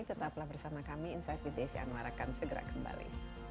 tetaplah bersama kami insight with desi anwar akan segera kembali